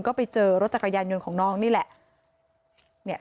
ก็ไปเจอรถจักรยานยนต์ของน้องนี่แหละ